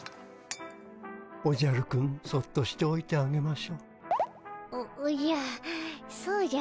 おじゃるくんそっとしておいてあげましょう。